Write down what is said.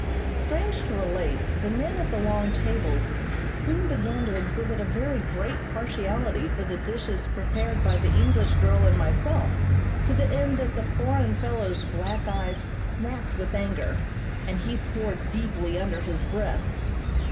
Strange to relate, the men at the long tables soon began to exhibit a very great partiality for the dishes prepared by the English girl and myself, to the end that the foreign fellow's black eyes snapped with anger, and he swore deeply under his breath.